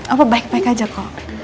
apa baik baik aja kok